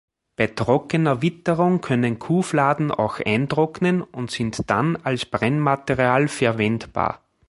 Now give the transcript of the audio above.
Bei trockener Witterung können Kuhfladen auch eintrocknen und sind dann als Brennmaterial verwendbar.